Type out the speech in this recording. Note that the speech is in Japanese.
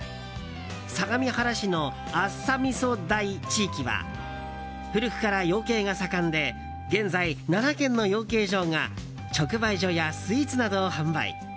相模原市の麻溝台地域は古くから養鶏が盛んで現在、７軒の養鶏場が直売所やスイーツなどを販売。